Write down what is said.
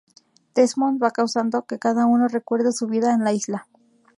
Desmond va causando que cada uno recuerde su vida en la isla.